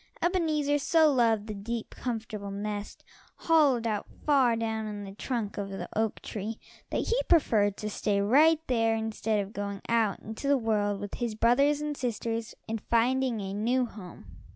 Ebenezer so loved the deep, comfortable nest, hollowed out far down in the trunk of the oak tree, that he preferred to stay right there instead of going out into the world with his brothers and sisters and finding a new home.